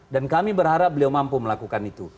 dan kami berharap beliau mampu melakukan itu